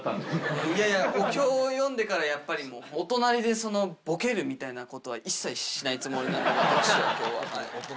いやいや、お経を読んでからやっぱりもう、お隣でボケるみたいなことは一切しないつもりなので、私はきょうは。